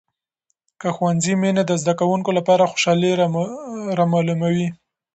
د ښوونځي مینې د زده کوونکو لپاره خوشحالي راملوي.